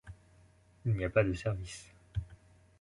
Il n'y a pas de services.